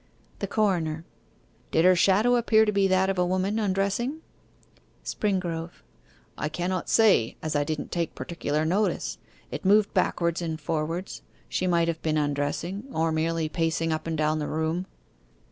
THE CORONER: 'Did her shadow appear to be that of a woman undressing?' SPRINGROVE: 'I cannot say, as I didn't take particular notice. It moved backwards and forwards; she might have been undressing or merely pacing up and down the room.